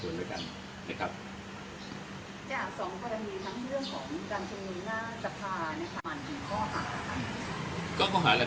สองภารณีทั้งเรื่องของการชนียงหน้าตรัพย์มันอยู่ข้อหาละครับ